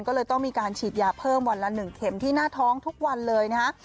ก็เลยต้องมีการฉีดยาเพิ่มวันละ๑เข็มที่หน้าท้องทุกวันเลยนะฮะ